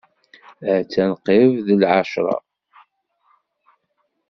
Attan qrib d lɛecṛa.